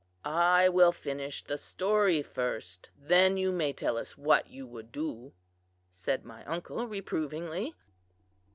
"I will finish the story first; then you may tell us what you would do," said my uncle reprovingly.